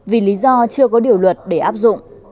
vì lý do chưa có điều luật để áp dụng